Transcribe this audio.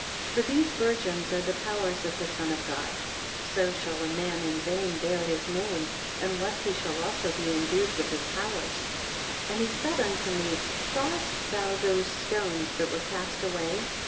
For these virgins are the powers of the Son of God. So shall a man in vain bear his name, unless he shall be also endued with his powers. 123 And he said unto me, sawest thou those stones that were cast away?